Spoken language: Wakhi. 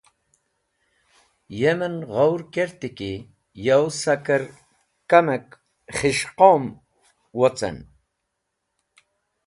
Yamen ghawr kerti ki yow saker kamek khis̃hqom wocen.